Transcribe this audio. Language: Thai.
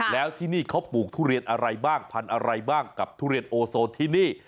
แล้วที่นี่เขาปลูกทุเรียนอะไรบ้างพันธุ์อะไรบ้างกับทุเรียนโอโซที่นี่